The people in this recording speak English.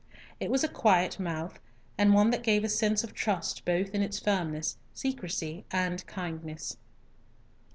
It was a quiet mouth, and one that gave a sense of trust both in its firmness, secrecy, and kindness.